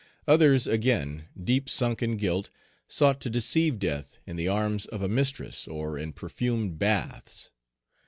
Others, again, deep sunk in guilt, sought to deceive Death in the arms of a mistress or in perfumed baths.